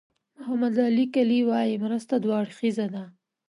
محمد علي کلي وایي مرسته دوه اړخیزه ده.